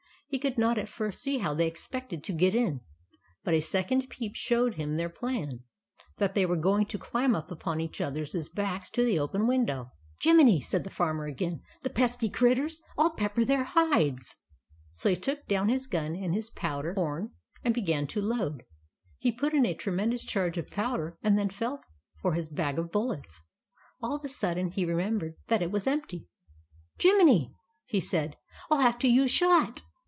He could not at first see how they ex pected to get in ; but a second peep showed him their plan, — that they were going to climb up upon each other's backs to the open window. " Jiminy !" said the Farmer again. " The pesky critters ! I 11 pepper their hides." So he took down his gun and his powder TRICKS OF THE BAD WOLF 153 horn, and began to load. He put in a tre mendous charge of powder and then felt for his bag of bullets. All of a sudden, he remembered that it was empty. " Jiminy !" said he, " I '11 have to use shot."